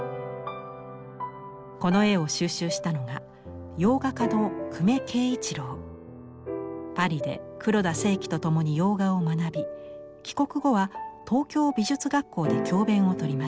この絵を収集したのが洋画家のパリで黒田清輝と共に洋画を学び帰国後は東京美術学校で教べんを執ります。